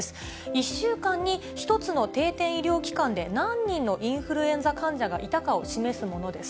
１週間に１つの定点医療機関で何人のインフルエンザ患者がいたかを示すものです。